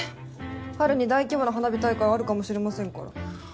春に大規模な花火大会あるかもしれませんから。